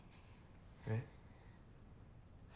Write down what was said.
えっ？